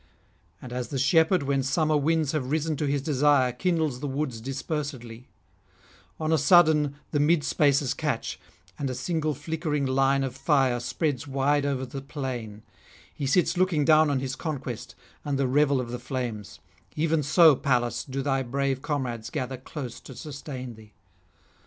And as the shepherd, when summer winds have risen to his desire, kindles the woods dispersedly; on a sudden the mid spaces catch, and a single flickering line of fire spreads wide over the plain; he sits looking down on his conquest and the revel of the flames; even so, Pallas, do thy brave comrades gather close to sustain thee.